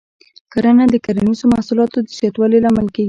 کرنه د کرنیزو محصولاتو د زیاتوالي لامل کېږي.